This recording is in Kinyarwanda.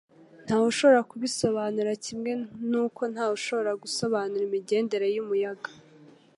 Ntawe ushobora kubisobanura kimwe nuko ntawe ushobora gusobanura imigendere y'umuyaga.